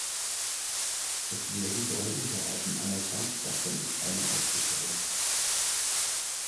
Es werden drei Unterarten anerkannt, davon ist eine ausgestorben.